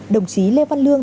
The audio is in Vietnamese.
đồng chí lê văn lương